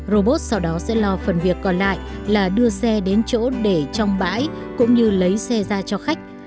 robot sau đó sẽ lo phần việc còn lại là đưa xe đến chỗ để trong bãi cũng như lấy xe ra cho khách